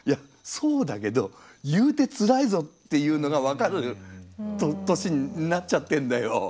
そうだけど言うてつらいぞっていうのが分かる年になっちゃってんだよ。